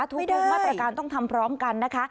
ทุกมาตรการต้องทำพร้อมกันนะคะ